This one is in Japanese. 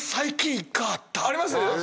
あります